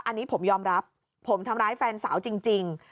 อันนี้ผมยอมรับผมทำร้ายแฟนสาวจริง